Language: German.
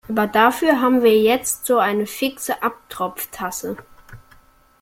Aber dafür haben wir jetzt so eine fixe Abtropftasse.